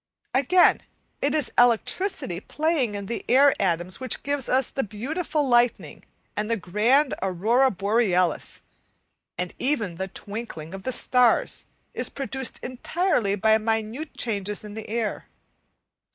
Again, it is electricity playing in the air atoms which gives us the beautiful lightning and the grand aurora borealis, and even the twinkling of the starts is produced entirely by minute changes in the air.